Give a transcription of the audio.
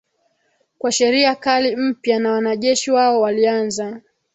kwa sheria kali mpya na wanajeshi wao walianza